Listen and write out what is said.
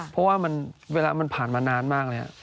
เพราะว่าเวลามันผ่านมานานมากเลยครับ